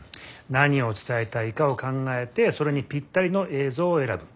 何を伝えたいかを考えてそれにぴったりの映像をえらぶ。